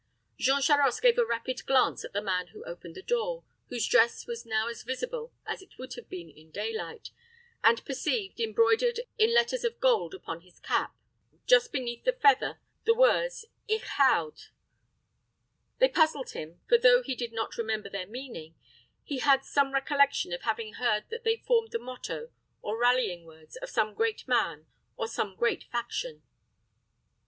Jean Charost gave a rapid glance at the man who opened the door, whose dress was now as visible as it would have been in daylight, and perceived, embroidered in letters of gold upon his cap, just beneath the feather, the words "Ich houd." They puzzled him; for though he did not remember their meaning, he had some recollection of having heard that they formed the motto, or rallying words, of some great man or some great faction.